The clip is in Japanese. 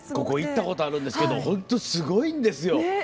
ここ行ったことあるんですけど本当にすごいんですよ。